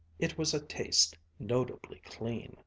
It was a taste notably clean.